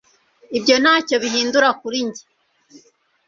ibyo ntacyo bihindura kuri njye